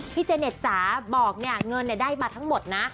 เจเน็ตจ๋าบอกเนี่ยเงินได้มาทั้งหมดนะ